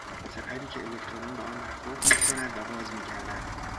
سپری که الکترون به آن برخورد میکند و باز میگردد